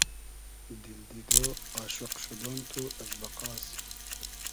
دیل دیدۉ ، آشوق شودۉن تو از بئقاس